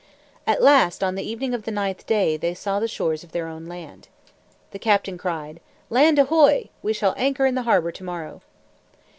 At last, on the evening of the ninth day, they saw the shores of their own land. The captain cried, "Land, ahoy! We shall anchor in the harbor to morrow."